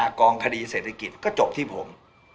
กองคดีเศรษฐกิจก็จบที่ผม